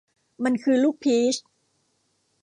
มันคือลูกพีช